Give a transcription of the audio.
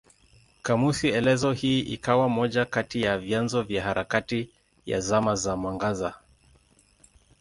Kamusi elezo hii ikawa moja kati ya vyanzo vya harakati ya Zama za Mwangaza.